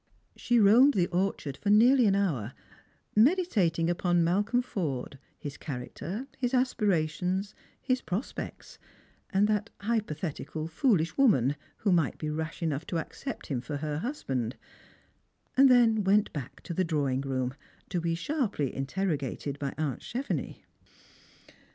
She roamed the orchard for nearly an hour, meditating upon Malcolm Forde, his character, his aspirations, his prospects, and that hypothetical foolish woman who might bo rash enough to accept him for her husband ; and then went back to the drawing room, to be sharply interrogated by aunt Chevenix.